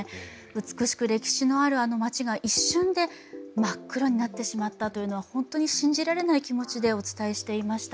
美しく歴史のあるあの街が一瞬で真っ黒になってしまったというのは本当に信じられない気持ちでお伝えしていました。